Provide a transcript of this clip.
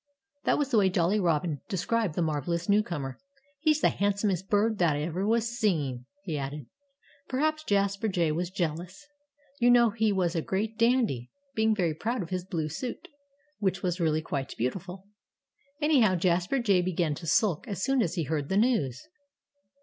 That was the way Jolly Robin described the marvellous newcomer. "He's the handsomest bird that ever was seen," he added. Perhaps Jasper Jay was jealous. You know he was a great dandy, being very proud of his blue suit, which was really quite beautiful. Anyhow, Jasper Jay began to sulk as soon as he heard the news.